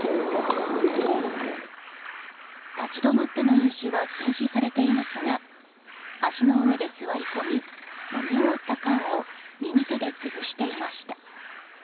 立ち止まっての飲酒は禁止されていますが橋の上で座り込み飲み終わった缶を右手で潰していました。